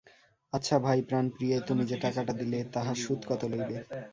আচ্ছা ভাই প্রাণপ্রিয়ে, তুমি যে টাকাটা দিলে, তাহার সুদ কত লইবে?